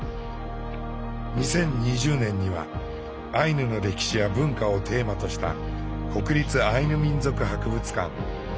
２０２０年にはアイヌの歴史や文化をテーマとした国立アイヌ民族博物館およびウポポイがオープン。